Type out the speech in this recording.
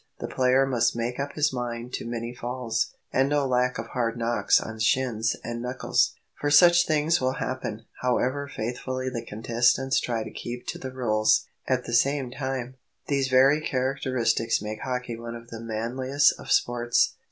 The player must make up his mind to many falls, and no lack of hard knocks on shins and knuckles; for such things will happen, however faithfully the contestants try to keep to the rules. At the same time, these very characteristics make hockey one of the manliest of sports.